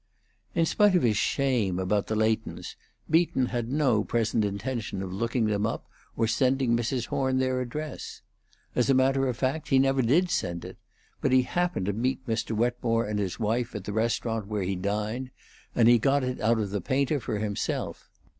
In spite of his shame about the Leightons, Beaton had no present intention of looking them up or sending Mrs. Horn their address. As a matter of fact, he never did send it; but he happened to meet Mr. Wetmore and his wife at the restaurant where he dined, and he got it of the painter for himself.